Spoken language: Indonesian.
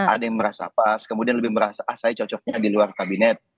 ada yang merasa pas kemudian merasa saya cocoknya di luar kabinen